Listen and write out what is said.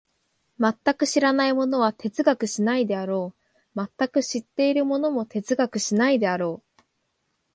全く知らない者は哲学しないであろう、全く知っている者も哲学しないであろう。